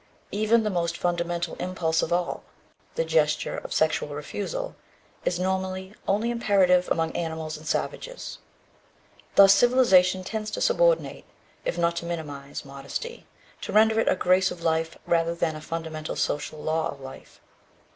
Even the most fundamental impulse of all, the gesture of sexual refusal, is normally only imperative among animals and savages. Thus civilization tends to subordinate, if not to minimize, modesty, to render it a grace of life rather than a fundamental social law of life.